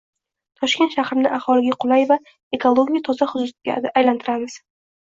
Toshkent shahrini aholiga qulay, va ekologik toza hududga aylantiramiz.